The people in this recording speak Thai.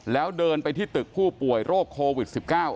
แล้วเดินไปที่ตึกผู้ป่วยโรคโควิด๑๙